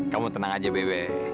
kamu tenang aja bebe